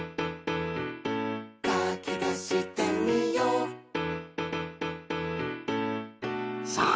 「かきたしてみよう」さあ！